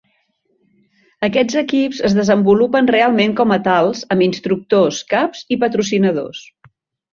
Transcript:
Aquests equips es desenvolupen realment com a tals amb instructors, caps i patrocinadors.